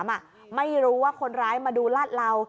ไม่รู้ว่าคนร้ายมาดูลาดเหลา